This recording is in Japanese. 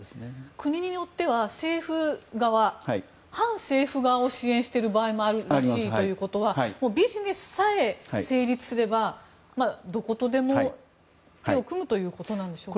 国によっては反政府側を支援している場合もあるということはビジネスさえ成立すればどことでも手を組むということでしょうか？